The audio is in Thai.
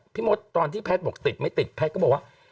มดตอนที่แพทย์บอกติดไม่ติดแพทย์ก็บอกว่า